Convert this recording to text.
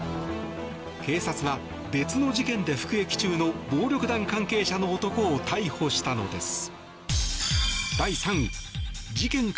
警察は、別の事件で服役中の暴力団関係者の男を逮捕したのです。